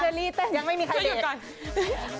พิลิค่ะเท่งยังไม่มีใครนั่ง